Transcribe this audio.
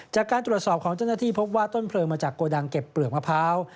จากการตรวจสอบของเจ้าหน้าที่พบว่าต้นเพลิงมาจากโกดังเก็บเปลือกมะพร้าว